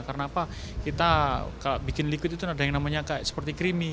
karena apa kita bikin liquid itu ada yang namanya seperti creamy